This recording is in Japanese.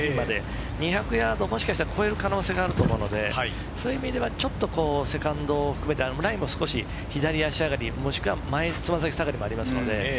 ２００ヤードをもしかしたら超える可能性があると思うので、ちょっとセカンドを含めてライも少し左足上がり、前爪先下がりもあります。